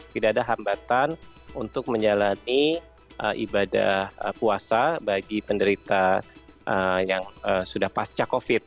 tidak ada hambatan untuk menjalani ibadah puasa bagi penderita yang sudah pasca covid